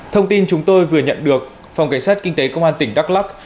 thông tin chúng tôi vừa nhận được phòng cảnh sát kinh tế công an tỉnh đắk lắc